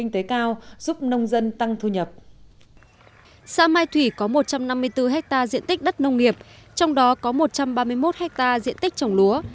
trong đó có một trăm ba mươi một hectare diện tích trồng lúa